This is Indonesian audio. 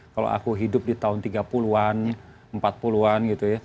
kalau aku hidup di tahun tiga puluh an empat puluh an gitu ya